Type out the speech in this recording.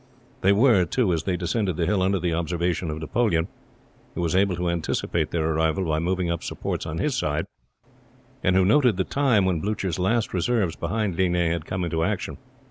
They were, too, as they descended the hill, under the observation of Napoleon, who was able to anticipate their arrival by moving up supports on his side, and who noted the time when Blucher's last reserves behind Ligny had come into action.